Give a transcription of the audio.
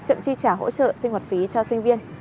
chậm chi trả hỗ trợ sinh hoạt phí cho sinh viên